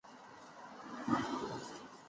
他们发现奇异龙与帕克氏龙是不同的属。